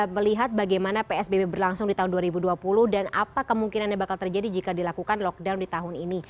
melihat bagaimana psbb berlangsung di tahun dua ribu dua puluh dan apa kemungkinannya bakal terjadi jika dilakukan lockdown di tahun ini